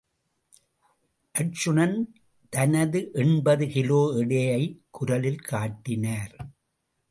அர்ச்சுனன், தனது எண்பது கிலோ எடையை குரலில் காட்டினார்.